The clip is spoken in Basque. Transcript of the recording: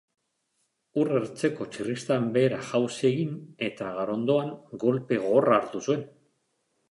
Ur ertzeko txirristan behera jauzi egin eta garondoan kolpe gogorra hartu zuen.